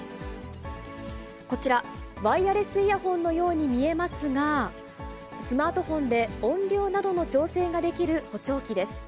こちら、ワイヤレスイヤホンのように見えますが、スマートフォンで音量などの調整ができる補聴器です。